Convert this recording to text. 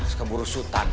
suka buru sutan